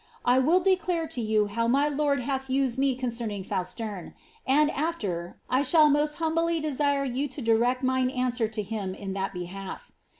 I will declare to you how my Itird huih used me concerning Fausterne ; and aAer, I shuU most humbly de?irc you tn direct mine answer to him in that behalf.